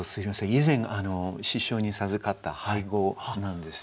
以前師匠に授かった俳号なんですね。